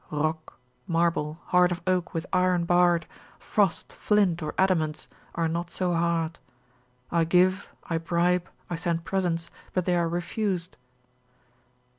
Rock, marble, heart of oak with iron barr'd, Frost, flint or adamants, are not so hard. I give, I bribe, I send presents, but they are refused.